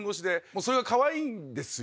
それがかわいいんですよ